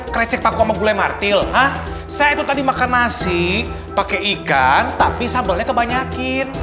krecek paku sama gulai martil ah saya itu tadi makan nasi pakai ikan tapi sambalnya kebanyakin